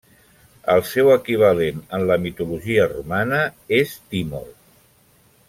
El seu equivalent en la mitologia romana és Timor.